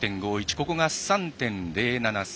ここが３．０７差。